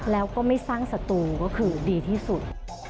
แล้วก็ไม่สร้างศัตรูก็คือดีที่สุด